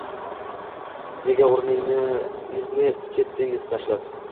Nega o’rningizni ketdingiz tashlab?